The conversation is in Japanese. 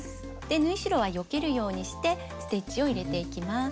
で縫い代はよけるようにしてステッチを入れていきます。